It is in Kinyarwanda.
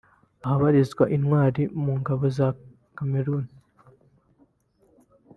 ahabarizwa intwari mu ngabo za Cameroun